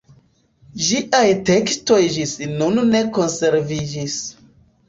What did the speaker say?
Ĝiaj tekstoj ĝis nun ne konserviĝis.